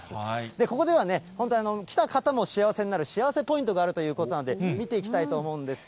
ここではね、本当は来た方も幸せになる幸せポイントがあるということなんで、見ていきたいと思うんですが。